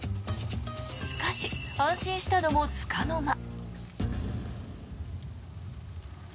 しかし安心したのもつかの間。